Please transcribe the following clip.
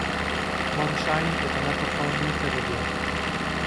Monsheim est un important nœud ferroviaire.